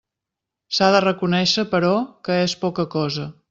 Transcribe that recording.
S'ha de reconéixer, però, que és poca cosa.